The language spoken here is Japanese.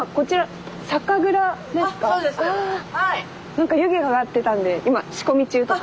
何か湯気が上がってたんで今仕込み中とか？